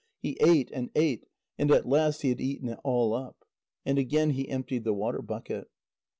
He ate and ate, and at last he had eaten it all up. And again he emptied the water bucket.